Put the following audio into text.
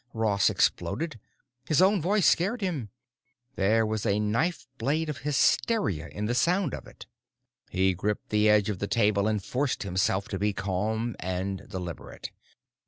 Ross exploded. His own voice scared him; there was a knife blade of hysteria in the sound of it. He gripped the edge of the table and forced himself to be calm and deliberate.